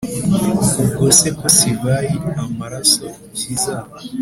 ubwose ko sivayi, amaraso ikiza